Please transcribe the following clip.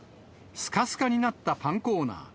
すかすかになったパンコーナー。